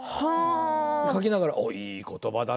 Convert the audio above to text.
書きながら、いい言葉だな